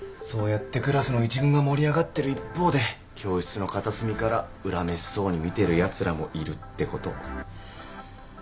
そうやってクラスの一軍が盛り上がってる一方で教室の片隅から恨めしそうに見てるやつらもいるってこと。